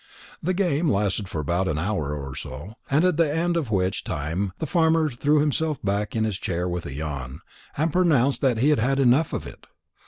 The game lasted for about an hour or so, at the end of which time the farmer threw himself back in his chair with a yawn, and pronounced that he had had enough of it.